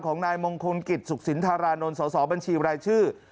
ของนายมงคลกิจสุขสินธารานนท์สอบบัญชีรายชื่อ